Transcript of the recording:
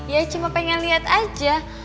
ya cuma pengen lihat aja